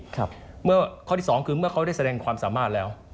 ข้อที่๒คือเมื่อเขาได้แสดงความสามารถแล้ว